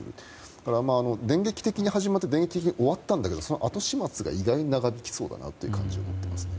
だから、電撃的に始まって電撃的に終わったんだけどその後始末が意外に長引きそうだなという感じがありますね。